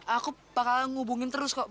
aku bakal ngubungin terus kok